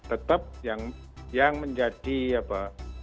tetap yang menjadi apa